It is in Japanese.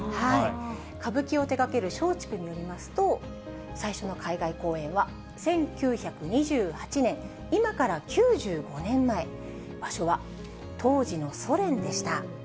歌舞伎を手がける松竹によりますと、最初の海外公演は１９２８年、今から９５年前、場所は当時のソ連でした。